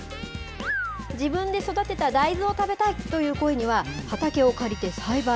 自分で育てた大豆を食べたいという声には、畑を借りて栽培。